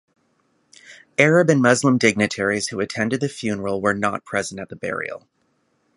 Arab and Muslim dignitaries who attended the funeral were not present at the burial.